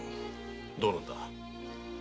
どうなんだ？